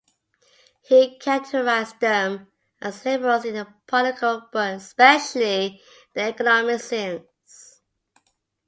He characterized them as liberals in the political, but especially in the economic sense.